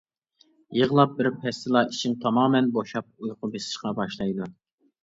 يىغلاپ بىر پەستىلا ئىچىم تامامەن بوشاپ ئۇيقۇ بېسىشقا باشلايدۇ.